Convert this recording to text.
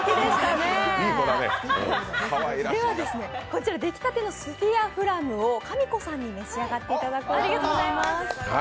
こちら、出来たてのスフィアフラムをかみこさんに召し上がっていただきます。